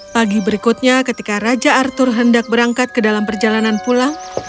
pagi berikutnya ketika raja arthur hendak berangkat ke dalam perjalanan pulang